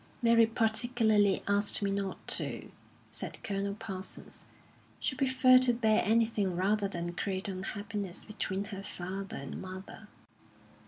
"Mary particularly asked me not to," said Colonel Parsons. "She preferred to bear anything rather than create unhappiness between her father and mother."